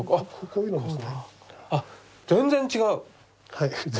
はい。